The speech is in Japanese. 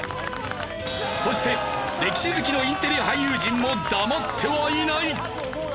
そして歴史好きのインテリ俳優陣も黙ってはいない！